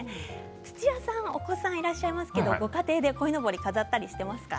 土屋さんはお子さんがいらっしゃいますが、ご家庭でこいのぼり飾ったりしてますか。